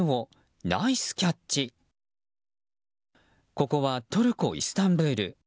ここはトルコ・イスタンブール。